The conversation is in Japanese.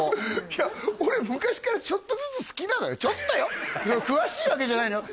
いや俺昔からちょっとずつ好きなのよちょっとよ詳しいわけじゃないのよ